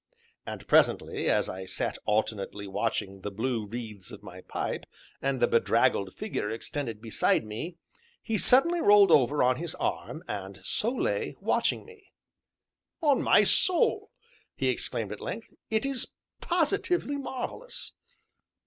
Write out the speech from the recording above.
And, presently, as I sat alternately watching the blue wreaths of my pipe and the bedraggled figure extended beside me, he suddenly rolled over on his arm, and so lay, watching me. "On my soul!" he exclaimed at length, "it is positively marvellous."